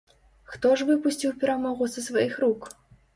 Хто ж выпусціў перамогу са сваіх рук?